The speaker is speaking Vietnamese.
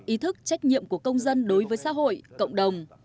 ý thức trách nhiệm của công dân đối với xã hội cộng đồng